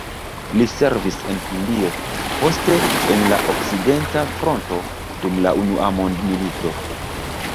Li servis en Hindio, poste en la okcidenta fronto dum la unua mondmilito.